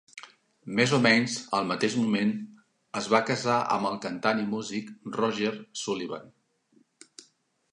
Més o menys al mateix moment, es va casar amb el cantant i músic Roger Sullivan.